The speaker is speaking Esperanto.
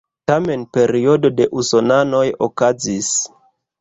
Tamen periodo de usonanoj okazis.